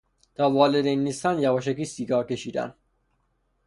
تا والدین نیستند یواشکی سیگار کشیدن